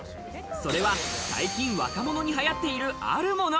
それは最近、若者に流行っているあるもの。